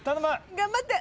頑張って。